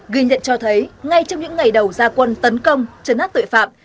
ghi nhận cho thấy ngay trong những ngày đầu gia quân tấn công trấn hát tội phạm